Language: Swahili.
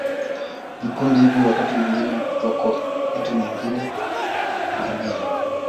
Vikundi hivi wakati mwingine huitwa koo, wakati mwingine makabila.